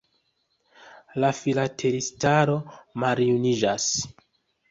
La filatelistaro maljuniĝas.